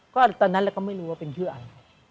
ก็ตอนนั้นเราก็ไม่รู้ว่าเป็นชื่ออะไร